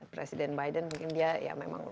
presiden biden mungkin dia ya memang